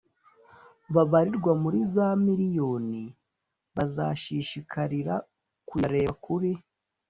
babarirwa muri za miriyoni bazashishikarira kuyareba kuri